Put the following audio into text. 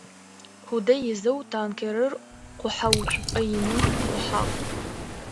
Кудэ изэу танкерыр къухьэ уцупӏэ иным къыӏухьагъ.